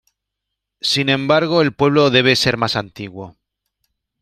Sin embargo, el pueblo debe ser más antiguo.